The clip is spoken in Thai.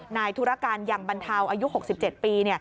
ธุรการยังบรรเทาอายุ๖๗ปี